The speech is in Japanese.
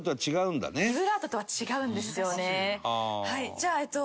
じゃあえーっと。